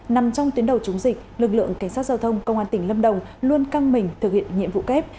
nằm trong tuyến đầu chống dịch lực lượng cảnh sát giao thông công an tỉnh lâm đồng luôn căng mình thực hiện nhiệm vụ kép